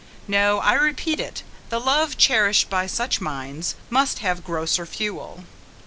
No, I repeat it, the love cherished by such minds, must have grosser fuel!